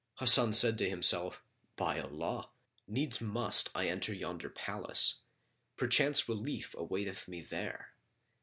Hasan said to himself, "By Allah, needs must I enter yonder palace; perchance relief awaiteth me there."